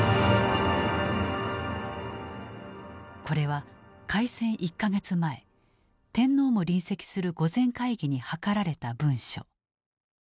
これは開戦１か月前天皇も臨席する御前会議に諮られた文書。